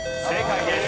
正解です。